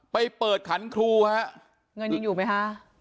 ไปเปิดขันครูฮะเงินยังอยู่ไหมฮะ